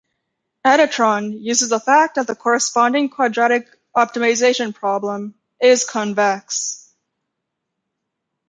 AdaTron uses the fact that the corresponding quadratic optimization problem is convex.